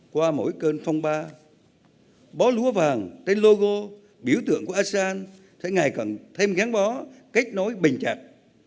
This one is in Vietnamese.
qua mỗi cơn phong ba bó lúa vàng tên logo biểu tượng của asean sẽ ngày càng thêm gắn bó kết nối bình chặt